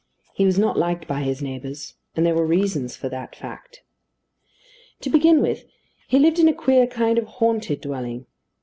He was not liked by his neighbours; and there were reasons for that fact. To begin with, he lived in a queer kind of "haunted" dwelling.